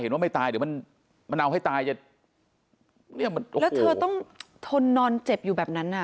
เห็นว่าไม่ตายเดี๋ยวมันเอาให้ตายแล้วเธอต้องทนนอนเจ็บอยู่แบบนั้น